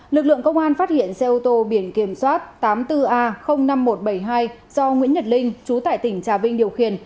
lực lượng công an phát hiện xe ô tô biển kiểm soát tám mươi bốn a năm nghìn một trăm bảy mươi hai do nguyễn nhật linh chú tại tỉnh trà vinh điều khiển